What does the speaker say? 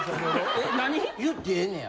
言ってええねや？